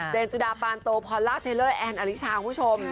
สุดาปานโตพอลล่าเทลเลอร์แอนอลิชาคุณผู้ชม